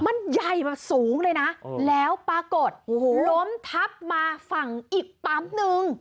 มันใหญ่มาสูงเลยนะแล้วปรากฏลมทับมาฝั่งอีกปั๊มหนึ่ง